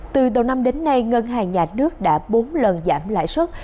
từ đầu năm đến nay ngân hàng nhà nước đã bốn lần giảm lại xuất